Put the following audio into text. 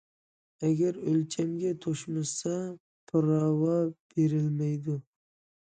ئەگەر ئۆلچەمگە توشمىسا پىراۋا بېرىلمەيدۇ.